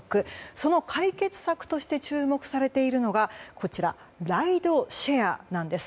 その解決策として注目されているのがライドシェアなんです。